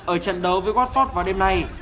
ở trận đấu với watford vào đêm nay